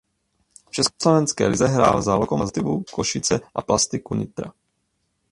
V československé lize hrál za Lokomotivu Košice a Plastiku Nitra.